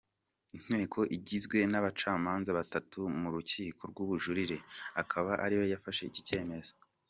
Inteko igizwe n’abacamanza batatu mu rukiko rw’ubujurire, akaba ariyo yafashe iki cyemezo.